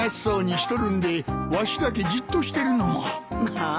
まあ。